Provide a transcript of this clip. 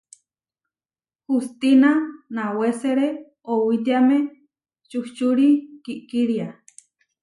Hustína nawésere owítiame čuhčúri kiʼkiria.